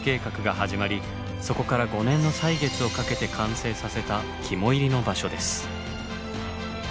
そこから５年の歳月をかけて完成させた肝煎りの場所です。